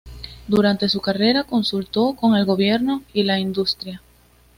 Durante su carrera, consultó con el gobierno y la industria.